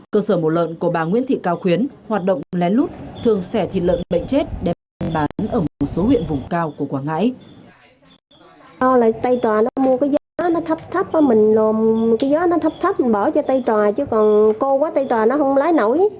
cơ sở mổ lợn của bà nguyễn thị cao khuyến hoạt động lén lút thường xẻ thịt lợn bệnh chết đem bán ở một số huyện vùng cao của quảng ngãi